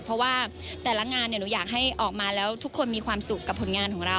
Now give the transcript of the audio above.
เพราะว่าแต่ละงานหนูอยากให้ออกมาแล้วทุกคนมีความสุขกับผลงานของเรา